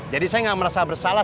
jadi saya gak merasa bersalah